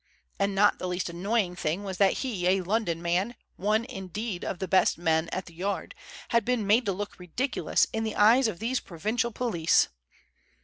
And not the least annoying thing was that he, a London man, one, indeed, of the best men at the Yard, had been made to look ridiculous in the eyes of these provincial police!